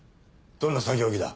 どんな作業着だ。